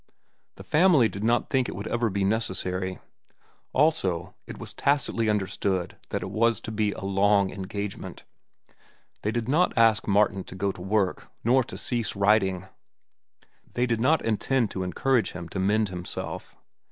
The family did not think it would ever be necessary. Also, it was tacitly understood that it was to be a long engagement. They did not ask Martin to go to work, nor to cease writing. They did not intend to encourage him to mend himself.